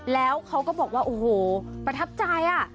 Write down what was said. แล้วเขาก็บอกว่าโอ้โหประทับใจ